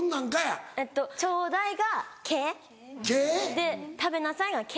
で「食べなさい」が「け」。